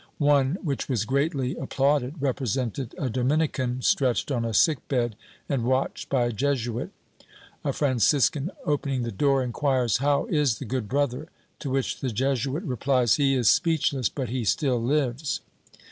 One, which was greatly ap plauded, represented a Dominican stretched on a sick bed and watched by a Jesuit. A Franciscan opening the door enquires "How is the good brother?" to which the Jesuit replies "He is speechless, but he still lives."